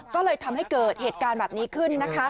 ก็เลยทำให้เกิดเหตุการณ์แบบนี้ขึ้นนะคะ